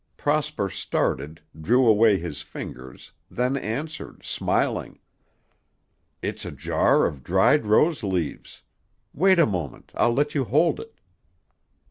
Prosper started, drew away his fingers, then answered, smiling, "It's a jar of dried rose leaves. Wait a moment, I'll let you hold it."